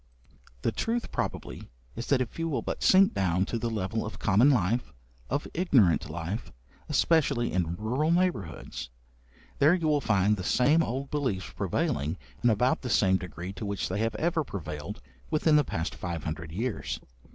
The truth, probably, is that if you will but sink down to the level of common life, of ignorant life, especially in rural neighbourhoods, there you will find the same old beliefs prevailing, in about the same degree to which they have ever prevailed, within the past five hundred years.